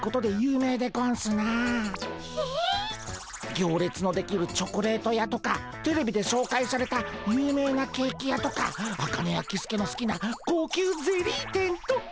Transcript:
行列の出来るチョコレート屋とかテレビで紹介された有名なケーキ屋とかアカネやキスケのすきな高級ゼリー店とか。